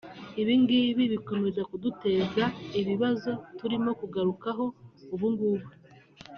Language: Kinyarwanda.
Ibi ngibi bikomeza kuduteza ibibazo turimo kugarukaho ubungubu